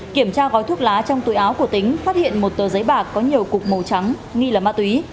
kiểm tra gói thuốc lá trong túi áo của tính phát hiện một tờ giấy bạc có nhiều cục màu trắng nghi là ma túy